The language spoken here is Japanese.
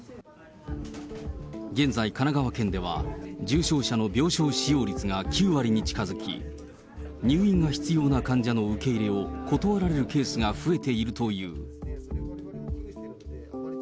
現在、神奈川県では、重症者の病床使用率が９割に近づき、入院が必要な患者の受け入れを断られるケースが増えているという。